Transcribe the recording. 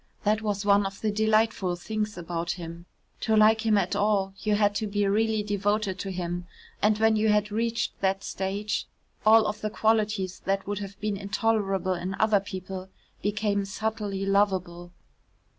That was one of the delightful things about him; to like him at all you had to be really devoted to him and when you had reached that stage, all of the qualities that would have been intolerable in other people became subtly lovable.